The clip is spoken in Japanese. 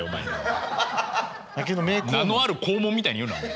名のあるこうもんみたいに言うな。